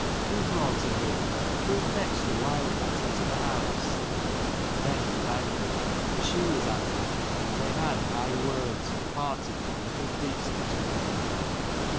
Who brought her here ? Who fetched the wild cat into the house ?" Then he was angry, and she was angry, and they had high words, and parted with little peace between them.